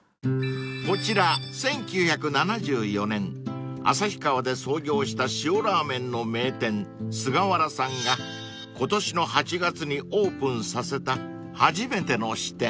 ［こちら１９７４年旭川で創業した塩ラーメンの名店すがわらさんが今年の８月にオープンさせた初めての支店］